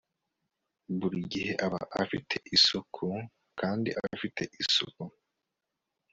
Buri gihe aba afite isuku kandi afite isuku